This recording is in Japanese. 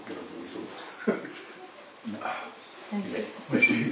おいしい。